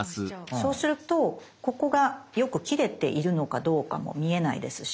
そうするとここがよく切れているのかどうかも見えないですし。